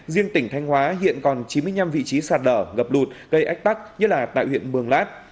riêng tỉnh thanh hóa hiện còn chín mươi năm vị trí sạt lở ngập lụt gây ách tắc nhất là tại huyện mường lát